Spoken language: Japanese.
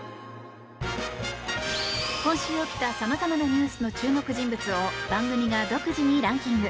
今週起きたさまざまなニュースの注目人物を番組が独自にランキング。